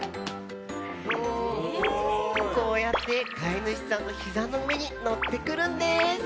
こうやって飼い主さんのひざの上に乗ってくるんです。